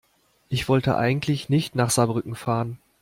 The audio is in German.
Ich wollte eigentlich nicht nach Saarbrücken fahren